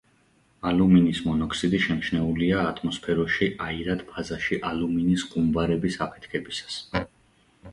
ალუმინის მონოქსიდი შემჩნეულია ატმოსფეროში აირად ფაზაში ალუმინის ყუმბარების აფეთქებისას.